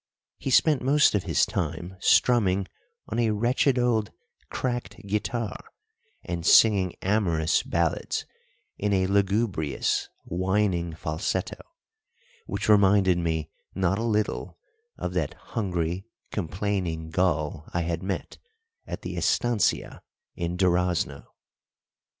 He spent most of his time strumming on a wretched old cracked guitar, and singing amorous ballads in a lugubrious, whining falsetto, which reminded me not a little of that hungry, complaining gull I had met at the estancia in Durazno.